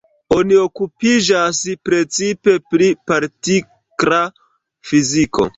Li okupiĝas precipe pri partikla fiziko.